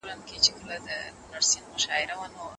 د بشري واقعیت یوه برخه تاریخي ده.